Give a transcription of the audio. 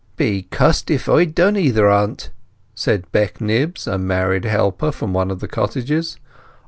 "Be cust if I'd have done either o't," said Beck Knibbs, a married helper from one of the cottages.